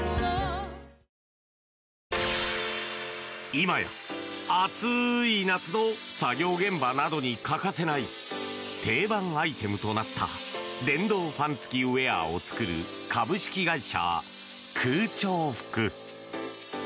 今や、暑い夏の作業現場などに欠かせない定番アイテムとなった電動ファン付きウェアを作る株式会社空調服。